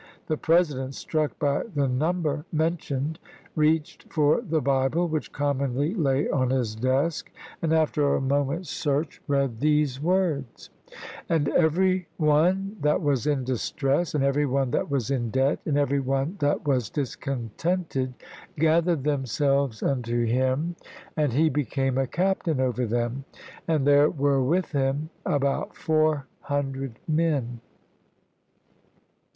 The President, struck by the number mentioned, reached for the Bible which commonly lay on his desk, and after a moment's search read these words :" And every one that was in distress, and every one that was in debt, and every one that was discontented, gathered themselves unto him; THE CLEVELAND CONVENTION 41 and lie became a captain over them: and there chap.ii. were with him about four hundred men."